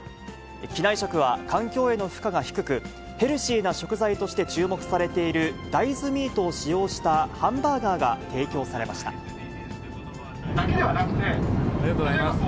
機内食は環境への負荷が低く、ヘルシーな食材として注目されている大豆ミートを使用したハンバありがとうございます。